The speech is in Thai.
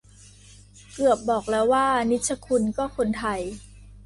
เกือบบอกแล้วว่านิชคุนก็คนไทย